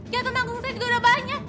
jatuh tanggung saya juga udah banyak